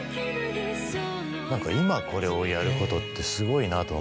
何か今これをやることってすごいなと思っていて。